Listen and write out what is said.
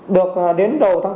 được đến đầu tháng tám